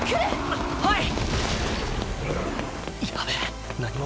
あっはい！